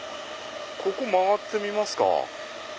ここ曲がってみますか。